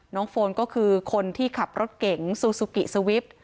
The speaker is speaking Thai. โฟนก็คือคนที่ขับรถเก๋งซูซูกิสวิป